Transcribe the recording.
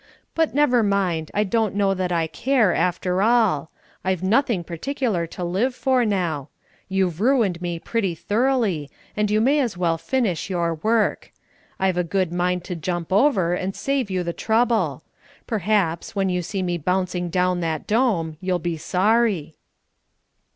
"But never mind, I don't know that I care, after all. I've nothing particular to live for now. You've ruined me pretty thoroughly, and you may as well finish your work. I've a good mind to jump over, and save you the trouble. Perhaps, when you see me bouncing down that dome, you'll be sorry!"